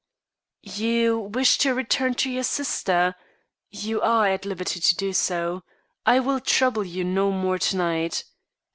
"You wish to return to your sister? You are at liberty to do so; I will trouble you no more to night.